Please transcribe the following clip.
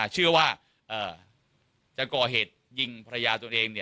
เชื่อว่าจะก่อเหตุยิงภรรยาตัวเอง